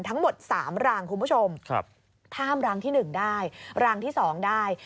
ทั้งหมดสามรางคุณผู้ชมครับข้ามรางที่หนึ่งได้รางที่สองได้